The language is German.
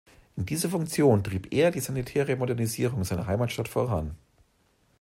In dieser Funktion trieb er die sanitäre Modernisierung seiner Heimatstadt voran.